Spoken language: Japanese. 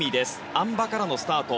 あん馬からのスタート。